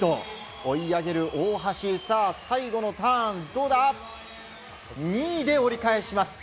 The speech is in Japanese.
追い上げる大橋、最後のターンは２位で折り返します。